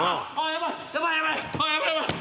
ヤバいヤバい！